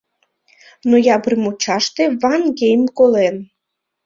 Ноябрь мучаште Ван-Гейм колен.